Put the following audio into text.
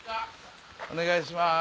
お願いします！